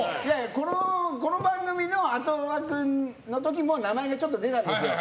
この番組の後枠のときも名前がちょっと出たんですよ。